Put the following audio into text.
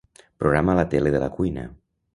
Programa la tele de la cuina.